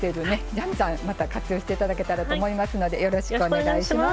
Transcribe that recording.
じゃんじゃんまた活用して頂けたらと思いますのでよろしくお願いします。